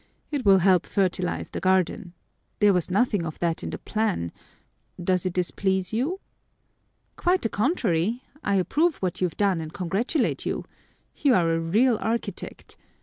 It will help fertilize the garden. There was nothing of that in the plan. Does it displease you?" "Quite the contrary, I approve what you've done and congratulate you. You are a real architect.